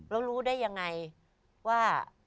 แล้วรู้ได้ยังไงว่า